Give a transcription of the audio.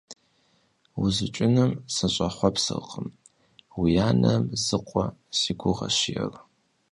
УзукӀыным сыщӀэхъуэпсыркъым, уи анэм зы къуэ си гугъэщ иӀэр…